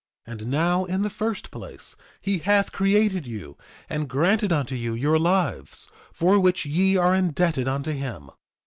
2:23 And now, in the first place, he hath created you, and granted unto you your lives, for which ye are indebted unto him.